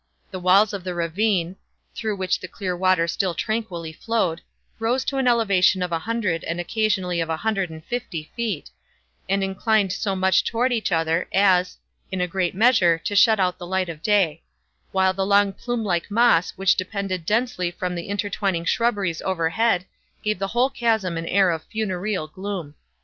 The walls of the ravine (through which the clear water still tranquilly flowed) arose to an elevation of a hundred and occasionally of a hundred and fifty feet, and inclined so much toward each other as, in a great measure, to shut out the light of day; while the long plume like moss which depended densely from the intertwining shrubberies overhead, gave the whole chasm an air of funereal gloom.